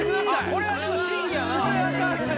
これは審議やな。